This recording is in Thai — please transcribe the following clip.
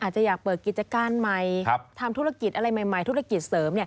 จะอยากเปิดกิจการใหม่ทำธุรกิจอะไรใหม่ธุรกิจเสริม